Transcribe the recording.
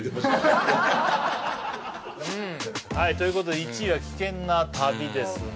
はいということで１位は危険な旅ですね